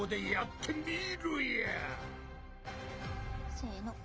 せの。